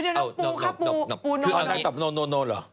เพลงน้องปูค่ะปูโน้นค่ะ